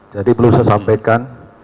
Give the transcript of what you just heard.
jadi perlu saya sampaikan